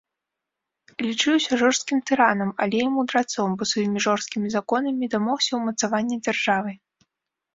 Лічыўся жорсткім тыранам, але і мудрацом, бо сваімі жорсткімі законамі дамогся ўмацавання дзяржавы.